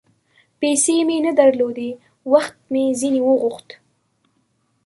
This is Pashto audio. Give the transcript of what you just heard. پیسې مې نه درلودې ، وخت مې ځیني وغوښت